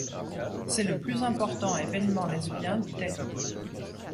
C'est le plus important événement lesbien d'Italie.